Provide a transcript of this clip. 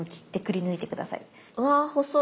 うわ細い。